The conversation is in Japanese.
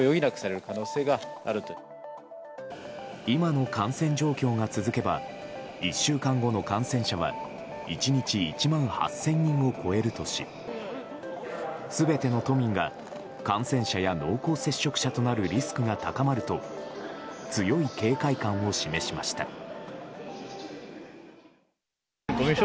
今の感染状況が続けば１週間後の感染者は１日１万８０００人を超えるとし全ての都民が感染者や濃厚接触者となるリスクが高まると強い警戒感を示しました。